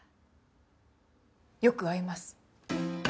よく合います。